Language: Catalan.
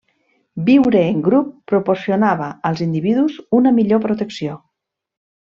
Viure en grup proporcionava als individus una millor protecció.